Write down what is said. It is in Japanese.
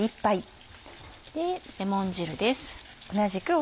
レモン汁です。